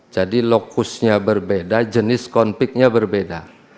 jadi lokusnya berbeda jenis konfliknya berbeda